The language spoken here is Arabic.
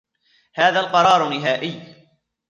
هذا القرار نهائي.